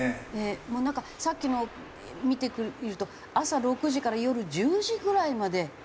もうなんかさっきのを見てみると朝６時から夜１０時ぐらいまで。